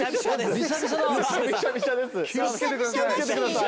気を付けてください。